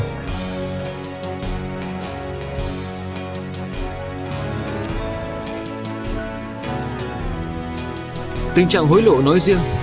và tình trạng hối lộ nói riêng